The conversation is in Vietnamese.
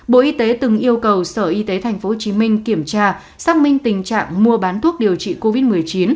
bộ y tế từng yêu cầu sở y tế tp hcm kiểm tra xác minh tình trạng mua bán thuốc điều trị covid một mươi chín